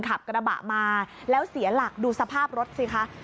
ขับกระบะมาแล้วเสียหลักดูสภาพรถสิคะ